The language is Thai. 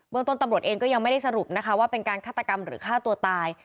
เมืองต้นตำรวจเองก็ยังไม่ได้สรุปนะคะว่าเป็นการฆาตกรรมหรือฆ่าตัวตาย